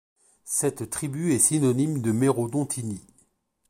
Cette tribu est synonyme de Merodontini.